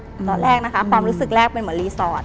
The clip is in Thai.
ตอนแรกนะคะความรู้สึกแรกเป็นเหมือนรีสอร์ท